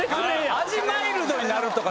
味マイルドになるとか。